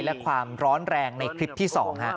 และความร้อนแรงในคลิปที่๒